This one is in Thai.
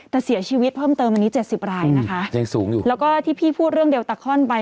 แต่เสียชีวิตเพิ่มเติมวันนี้๗๐รายนะคะแล้วก็ที่พี่พูดเรื่องเดลตาคอนไป